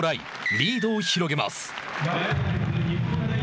リードを広げます。